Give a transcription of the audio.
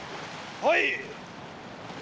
はい！